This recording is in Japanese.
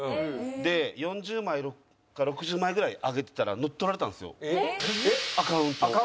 で４０枚か６０枚ぐらい上げてたら乗っ取られたんですよアカウントを。